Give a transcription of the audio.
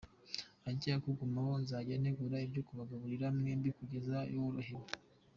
Ajye akugumaho nzajya ntegura ibyo kubagemurira mwembi kugeza worohewe.